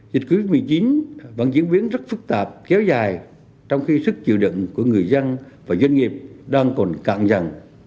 dịch covid một mươi chín vẫn diễn biến rất phức tạp kéo dài trong khi sức chịu đựng của người dân và doanh nghiệp đang còn càng dần